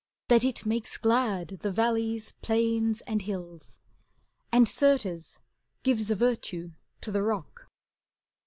That it makes glad the valleys, plains, and hills. And, certes, gives a virtue to the rock.